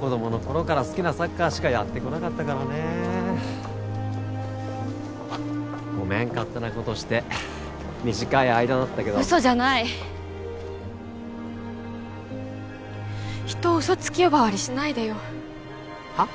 子供の頃から好きなサッカーしかやってこなかったからねごめん勝手なことして短い間だったけどウソじゃない人をウソつき呼ばわりしないでよはっ？